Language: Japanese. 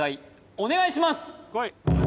お願いします